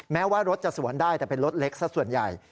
แม้ว่ารถจะสวนได้แต่เป็นรถเล็กสักส่วนใหญ่